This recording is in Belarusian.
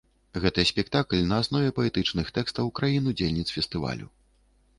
Гэта спектакль на аснове паэтычных тэкстаў краін-удзельніц фестывалю.